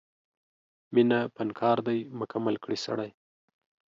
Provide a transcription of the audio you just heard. مینه فنکار دی مکمل کړي سړی